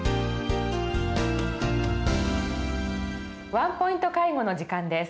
「ワンポイント介護」の時間です。